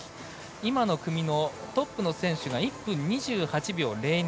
今の組のトップの選手が１分２８秒０２。